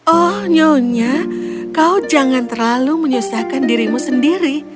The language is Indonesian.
oh nyonya kau jangan terlalu menyusahkan dirimu sendiri